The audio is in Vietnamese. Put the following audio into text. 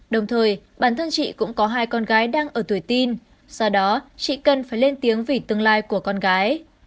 đồng thời bản thân chị cũng có hai con gái đang ở tuổi tin do đó chị cần phải lên tiếng vì tương lai của con gái